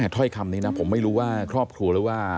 ถ้อยคำนี้นะผมไม่รู้ว่าครอบครัวหรือว่า